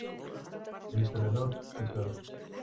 El historiador Dr.